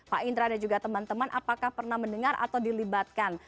pak indra dan juga teman teman apakah pernah mendengar atau dilibatkan